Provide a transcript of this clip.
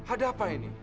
ada apa ini